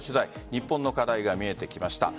日本の課題が見えてきました。